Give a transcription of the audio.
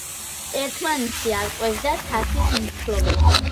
ერთმანეთში არკვევდა თასის მფლობელს.